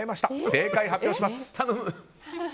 正解発表します。